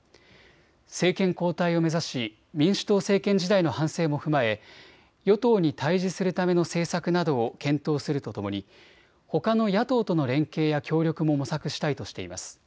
政権交代を目指し民主党政権時代の反省も踏まえ与党に対じするための政策などを検討するとともに、ほかの野党との連携や協力も模索したいとしています。